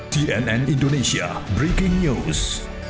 tnn indonesia breaking news